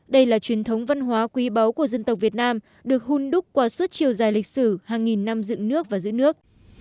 đây là truyền thống văn hóa quý báu của dân tộc việt nam được hôn đúc qua suốt chiều dài lịch sử hàng nghìn năm dựng nước và giữ nước